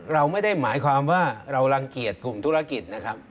เราไม่ได้หมายความว่าเรารังเกียจกลุ่มธุรกิจนะครับ